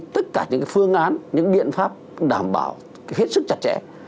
tất cả những phương án những biện pháp đảm bảo hết sức chặt chẽ